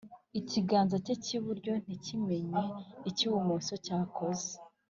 Ikiganza cye cy ‘iburyo ntikimenye icyibumoso cyakoze.